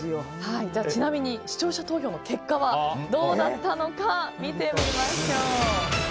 ちなみに視聴者投票の結果はどうなったのか見てみましょう。